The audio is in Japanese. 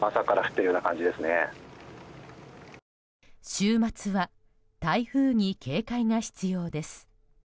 週末は台風に警戒が必要です。